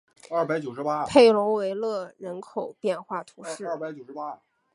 佩龙维勒人口变化图示